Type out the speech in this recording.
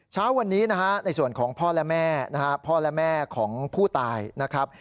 เช้าวันนี้นะฮะในส่วนของพ่อและแม่นะฮะพ่อและแม่ของผู้ตายนะครับ